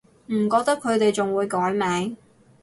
唔覺得佢哋仲會改名